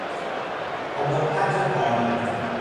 ابهت قانون